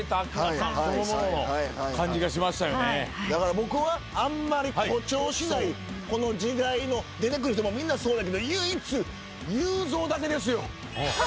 僕はあんまり誇張しないこの時代の。出てくる人もみんなそうやけど唯一ゆうぞうだけですよ。